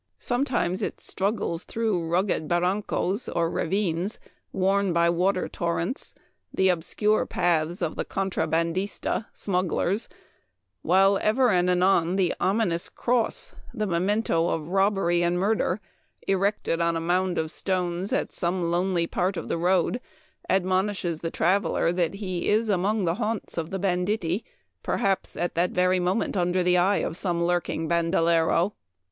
Sometimes it struggles through rugged baran cos, or ravines, worn by water torrents, the obscure paths of the contrabandista, (smug glers ;) while ever and anon the ominous cross, 212 Memoir of Washington Irving. the memento of robbery and murder, erected on a mound of stones at some lonely part of the road, admonishes the traveler that he is among the haunts of banditti, perhaps at that very moment under the eye of some lurking banda lero.